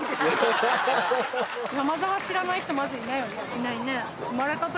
いないね。